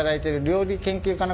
料理研究家？